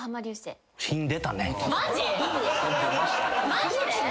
マジで？